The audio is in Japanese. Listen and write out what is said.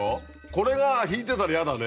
これが引いてたら嫌だね